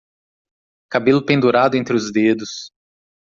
Cabelo pendurado entre os dedos